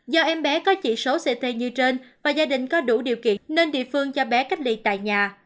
do em bé có chỉ số ct như trên và gia đình có đủ điều kiện nên địa phương cho bé cách ly tại nhà